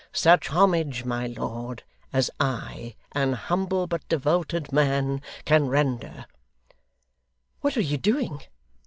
Such homage, my lord, as I, an humble but devoted man, can render ' 'What are you doing?